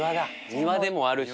庭でもあるし。